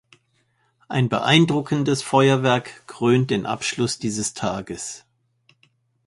Ein beeindruckendes Feuerwerk krönt den Abschluss dieses Tages.